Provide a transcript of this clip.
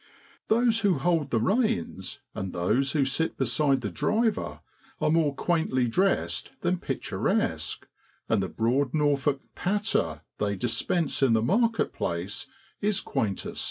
Those who hold the reins, and those who sit beside the driver, are more quaintly dressed than picturesque, and the broad Norfolk ' patter ' they dispense in the market place is quainter still.